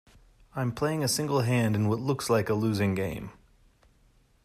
I'm playing a single hand in what looks like a losing game.